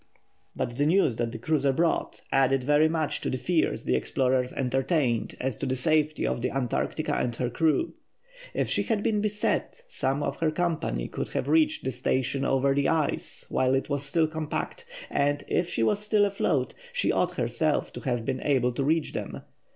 But the news that the cruiser brought added very much to the fears the explorers entertained as to the safety of the Antarctica and her crew. If she had been beset, some of her company could have reached the station over the ice while it was still compact, or, if she was still afloat, she ought herself to have been able to reach them.